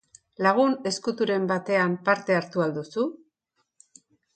Lagun ezkuturen batean parte hartu al duzu?